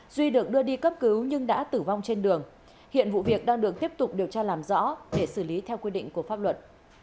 duy được đưa đi cấp cứu nhưng đã tử vong trên đường hiện vụ việc đang được tiếp tục điều tra làm rõ để xử lý theo quy định của pháp luật